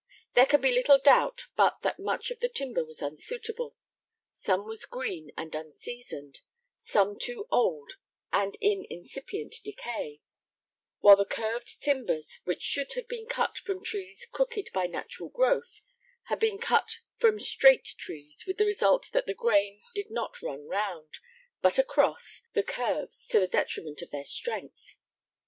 There can be little doubt but that much of the timber was unsuitable; some was green and unseasoned; some too old and in incipient decay; while the curved timbers, which should have been cut from trees crooked by natural growth, had been cut from straight trees, with the result that the grain did not run round, but across, the curves, to the detriment of their strength.